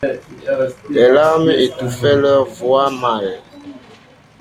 Les larmes étouffaient leurs voix mâles.